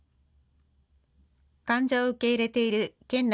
患者を受け入れている県内